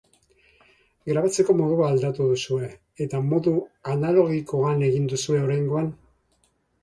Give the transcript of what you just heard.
Grabatzeko modua aldatu duzue, eta modu analogikoan egin duzue oraingoan?